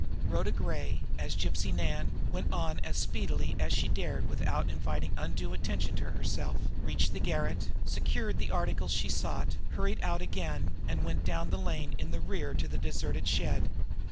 Rhoda Gray, as Gypsy Nan, went on as speedily as she dared without inviting undue attention to herself, reached the garret, secured the articles she sought, hurried out again, and went down the lane in the rear to the deserted shed.